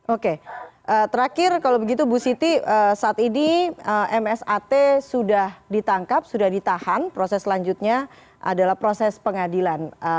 oke terakhir kalau begitu bu siti saat ini msat sudah ditangkap sudah ditahan proses selanjutnya adalah proses pengadilan